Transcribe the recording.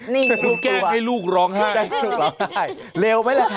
นี่ลูกแกล้งให้ลูกร้องไห้ลูกแกล้งให้ลูกร้องไห้